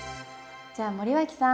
じゃあ森脇さん